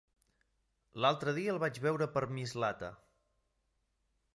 L'altre dia el vaig veure per Mislata.